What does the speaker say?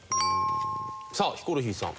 さあヒコロヒーさん。